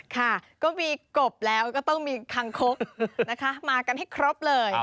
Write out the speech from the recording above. ค่ะก็มีกบแล้วก็ต้องมีคังคกนะคะมากันให้ครบเลย